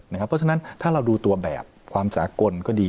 เพราะฉะนั้นถ้าเราดูตัวแบบความสากลก็ดี